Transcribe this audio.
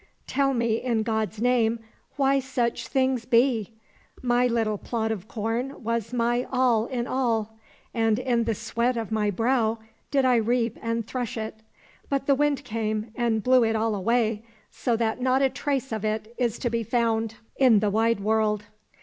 Tell me, in God's name, why such things be ? My little plot of corn was my all in all, and in the sweat of my brow did I reap and thresh it ; but the Wind came and blew it all away, so that not a trace of it is to be found in the wide world.